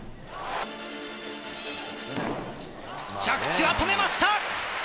着地は止めました！